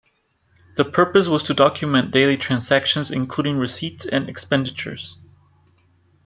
The purpose was to document daily transactions including receipts and expenditures.